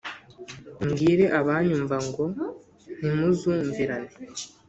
mbwire abanyumva ngo ntimuzumvirane!